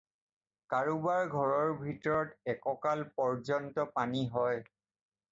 কাৰোবাৰ ঘৰৰ ভিতৰত একঁকাল পৰ্য্যন্ত পানী হয়।